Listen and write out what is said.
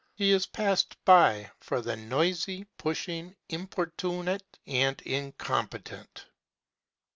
He is passed by for the noisy, pushing, importunate, and incompetent.